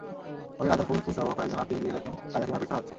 পরে রাজার ফুফুসহ কয়েকজন আত্মীয় গিয়ে দেখেন, রাজাকে মারপিট করা হচ্ছে।